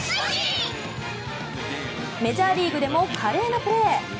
メジャーリーグでも華麗なプレー。